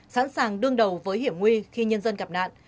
sẵn sàng đương đầu với hiểm nguy khi nhân dân gặp nạn